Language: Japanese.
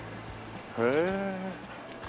へえ。